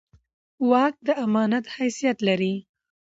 واک د امانت حیثیت لري